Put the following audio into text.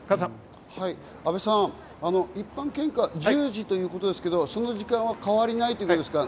阿部さん、一般献花は１０時ということですが、その時間は変わりないということですか？